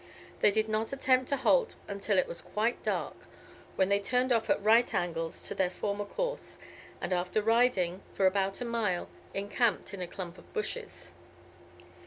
They did not attempt to halt until it was quite dark, when they turned off at right angles to their former course, and after riding for about a mile, encamped in a clump of bushes.